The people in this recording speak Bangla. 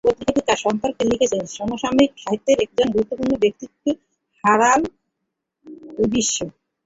পত্রিকাটি তাঁর সম্পর্কে লিখেছে, সমসাময়িক সাহিত্যের একজন গুরুত্বপূর্ণ ব্যক্তিত্বকে হারাল বিশ্ব।